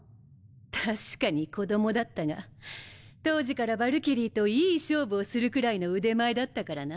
確かに子供だったが当時からヴァルキリーといい勝負をするくらいの腕前だったからな。